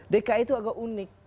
dki itu agak unik